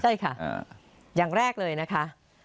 ใช่ค่ะอย่างแรกเลยนะคะ